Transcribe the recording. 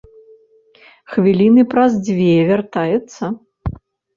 Хвіліны праз дзве вяртаецца.